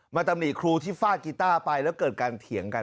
ตำหนิครูที่ฟาดกีต้าไปแล้วเกิดการเถียงกัน